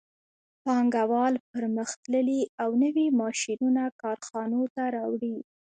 پانګوال پرمختللي او نوي ماشینونه کارخانو ته راوړي